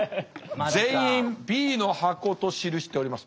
全員Ｂの箱と記しております。